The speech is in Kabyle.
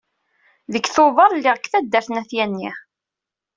Deg Tubeṛ, lliɣ deg taddart n At Yanni.